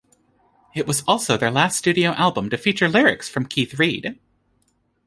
It was also their last studio album to feature lyrics from Keith Reid.